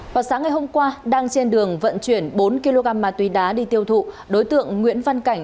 vào sáng ngày hôm qua đang trên đường vận chuyển bốn kg ma túy đá đi tiêu thụ đối tượng nguyễn văn cảnh